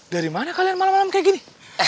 dari mana kalian malam malam kayak gini